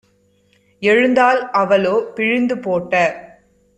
எழுந்தாள். அவளோ, பிழிந்து போட்ட